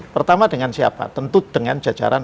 pertama dengan siapa tentu dengan jajaran